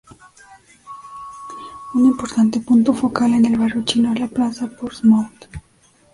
Un importante punto focal en el barrio Chino es la plaza Portsmouth.